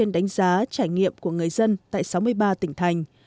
đánh giá trải nghiệm của người dân tại sáu mươi ba tỉnh thành